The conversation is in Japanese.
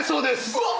うわっ！